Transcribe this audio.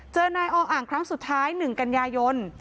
เจอนายออ่างครั้งสุดท้าย๑กันยายน